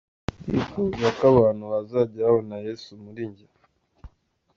Ndifuza ko abantu bazajya babona Yezu muri njye”.